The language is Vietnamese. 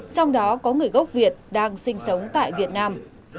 trong đó có người gốc việt đang sinh sống tại việt nam